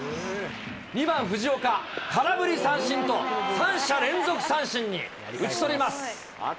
２番ふじおか、空振り三振と、３者連続三振に打ち取ります。